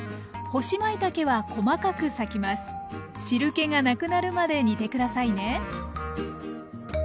汁けがなくなるまで煮て下さいね。